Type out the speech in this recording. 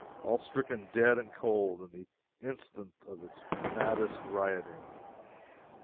all stricken dead and cold in the instant of its maddest rioting!